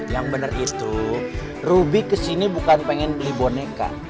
yang benar itu ruby kesini bukan pengen beli boneka